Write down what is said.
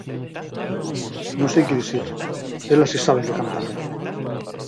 Non sei que dicir... Elas si saben que cantan ben.